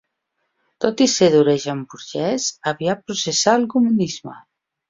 Tot i ser d'origen burgès, aviat professà el comunisme.